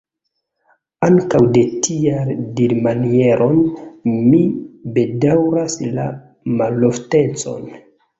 Ankaŭ de tiaj dirmanieroj mi bedaŭras la maloftecon.